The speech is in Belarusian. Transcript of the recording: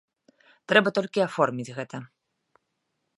Трэба толькі аформіць гэта.